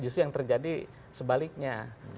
justru yang terjadi sebaliknya